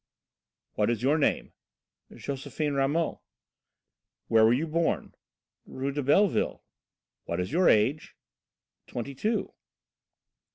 "What is your name?" "Josephine Ramot." "Where were you born?" "Rue de Belleville." "What is your age?" "Twenty two."